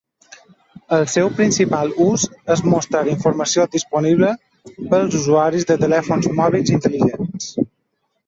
El seu principal ús és mostrar informació disponible pels usuaris de telèfons mòbils intel·ligents.